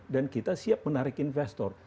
dan kita siap menarik investor